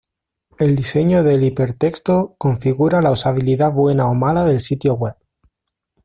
El diseño del hipertexto configura la usabilidad buena o mala del sitio web.